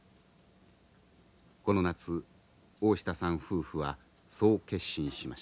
この夏大下さん夫婦はそう決心しました。